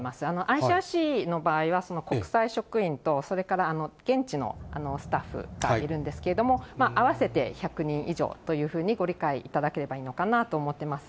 ＩＣＲＣの場合は国際職員と、それから現地のスタッフがいるんですけれども、合わせて１００人以上というふうにご理解いただければいいのかなと思っています。